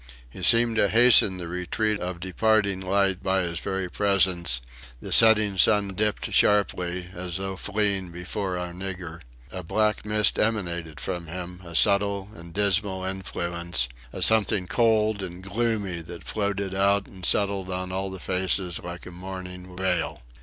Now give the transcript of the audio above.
He seemed to hasten the retreat of departing light by his very presence; the setting sun dipped sharply, as though fleeing before our nigger; a black mist emanated from him; a subtle and dismal influence; a something cold and gloomy that floated out and settled on all the faces like a mourning veil.